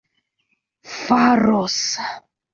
faros